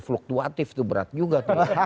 fluktuatif itu berat juga